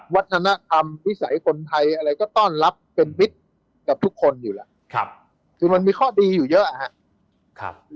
วัฒนธรรมวิสัยคนไทยอะไรก็ต้อนรับเป็นมิตรกับทุกคนอยู่แล้วคือมันมีข้อดีอยู่เยอะครับ